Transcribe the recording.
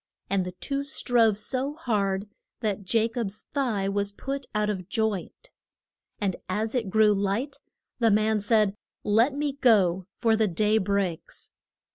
And the two strove so hard that Ja cob's thigh was put out of joint. And as it grew light the man said, Let me go, for the day breaks.